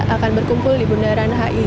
akan berkumpul di bunda ranghai